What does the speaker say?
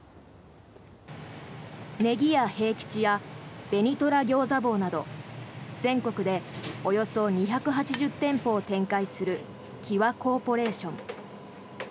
葱や平吉や紅虎餃子房など全国でおよそ２８０店舗を展開する際コーポレーション。